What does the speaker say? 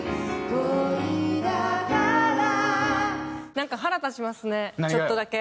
なんか腹立ちますねちょっとだけ。